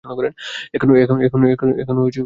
এখনো করছেন, তাই না?